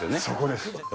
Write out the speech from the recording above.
そこです。